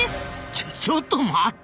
ちょちょっと待った！